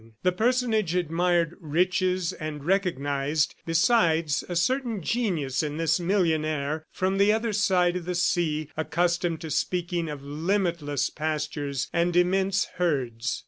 The personage admired riches and recognized, besides, a certain genius in this millionaire from the other side of the sea accustomed to speaking of limitless pastures and immense herds.